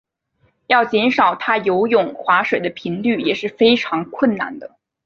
要减少他游泳划水的频率也是非常困难的。